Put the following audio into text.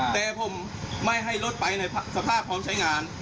แต่ผมไม่ให้รถไปในสภาพพร้อมใช้งาน